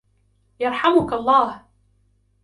يرحمك الله!